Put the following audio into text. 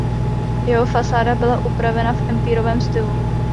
Jeho fasáda byla upravena v empírovém stylu.